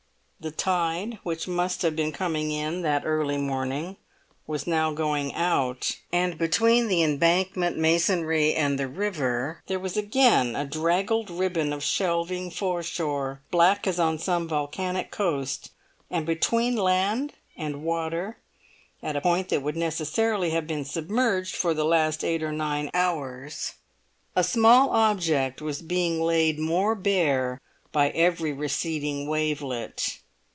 The tide, which must have been coming in that early morning, was now going out, and between the Embankment masonry and the river there was again a draggled ribbon of shelving foreshore, black as on some volcanic coast; and between land and water, at a point that would necessarily have been submerged for the last eight or nine hours, a small object was being laid more bare by every receding wavelet.